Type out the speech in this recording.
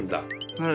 はい。